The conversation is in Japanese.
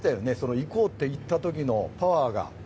行こうと言った時のパワーが。